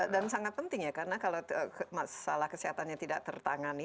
dan sangat penting ya karena kalau masalah kesehatannya tidak tertangani